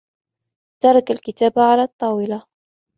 ترك الكتاب على الطاولة.